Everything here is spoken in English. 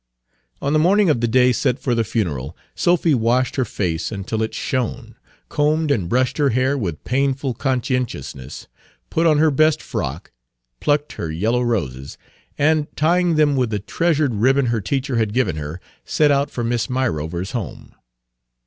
On the morning of the day set for the funeral, Sophy washed her face until it shone, combed and brushed her hair with painful conscientiousness, put on her best frock, plucked her yellow roses, and, tying them with the treasured ribbon her teacher had given her, set out for Miss Myrover's home.